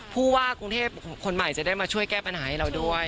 ผู้ว่ากรุงเทพคนใหม่จะได้มาช่วยแก้ปัญหาให้เราด้วย